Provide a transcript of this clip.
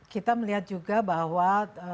kita melihat juga bahwa